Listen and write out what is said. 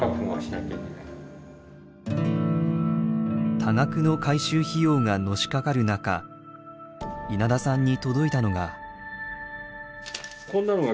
多額の改修費用がのしかかる中稲田さんに届いたのが。